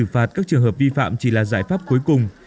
phạt các trường hợp vi phạm chỉ là giải pháp cuối cùng